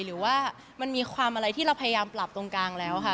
หรือว่ามันมีความอะไรที่เราพยายามปรับตรงกลางแล้วค่ะ